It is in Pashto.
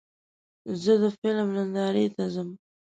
زه د فلم نندارې ته ځم.